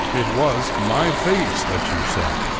It was my face that you saw